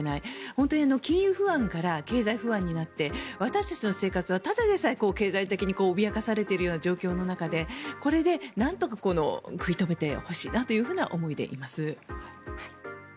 本当に金融不安から経済不安になって私たちの生活はただでさえ経済的に脅かされている状況の中でこれでなんとか食い止めてほしいなという思いでいます。